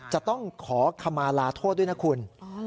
จะต้องขอขมาลาโทษด้วยนะคุณ